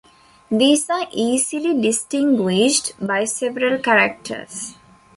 These are easily distinguished by several characters.